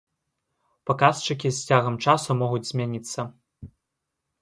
Паказчыкі з цягам часу могуць змяніцца.